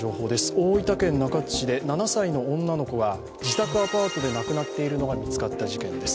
大分県中津市で７歳の女の子が自宅アパートで亡くなっているのが見つかった事件です。